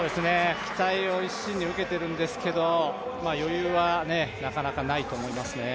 期待を一身に受けているんですけど余裕はなかなか、ないと思います。